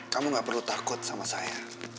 kamu gak perlu takut sama saya